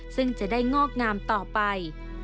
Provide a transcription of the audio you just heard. ซึ่งจะได้งอกงามต่อไป